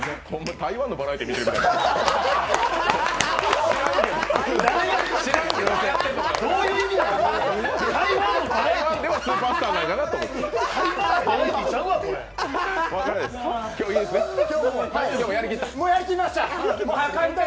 台湾のバラエティー見てるみたい。